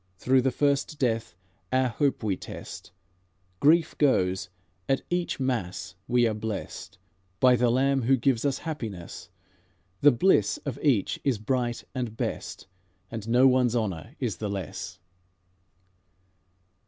Through the first death our hope we test; Grief goes; at each mass we are blest By the Lamb Who gives us happiness; The bliss of each is bright and best, And no one's honour is the less."